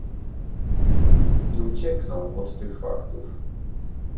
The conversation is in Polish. Nie uciekną od tych faktów